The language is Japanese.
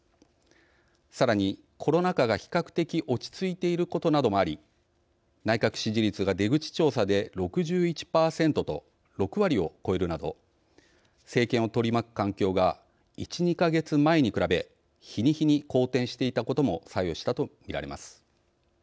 さらに、コロナ禍が比較的落ち着いていることなどもあり内閣支持率が出口調査で６１％と６割を超えるなど政権を取り巻く環境が１、２か月前に比べ日に日に好転していたことも作用したとみられます。